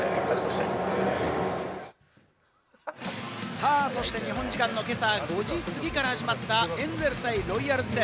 さぁそして、日本時間の今朝５時すぎから始まったエンゼルス対ロイヤルズ戦。